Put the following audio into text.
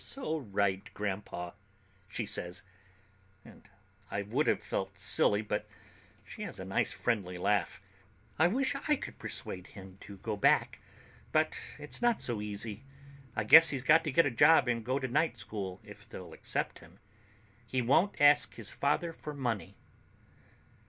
"You're so right, Grandpa," she says, and I would have felt silly, but she has a nice friendly laugh. "I wish I could persuade him to go back. But it's not so easy. I guess he's got to get a job and go to night school, if they'll accept him. He won't ask his father for money."